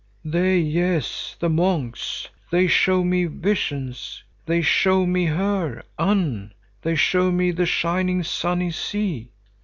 "They, yes, the monks. They show me visions. They show me her, Unn. They show me the shining, sunny sea.